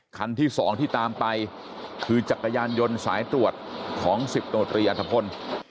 คันที่๒ที่ตามไปคือจักรยานยนต์สายตรวจของ๑๐โนตรีอัฐพล